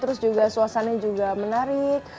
terus juga suasananya juga menarik